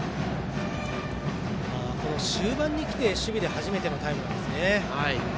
この終盤にきて初めてのタイムなんですね。